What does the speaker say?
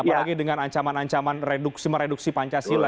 apalagi dengan ancaman ancaman reduksi mereduksi pancasila